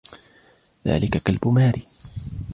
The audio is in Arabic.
ذلك كلب ماري.